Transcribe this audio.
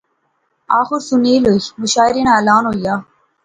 آخر سنیل ہوئی، مشاعرے ناں اعلان ہویا